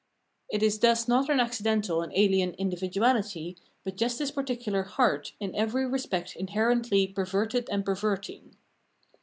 It is thus not an accidental and alien individuahty, but just this particular " heart," in every respect inherently per verted and perverting.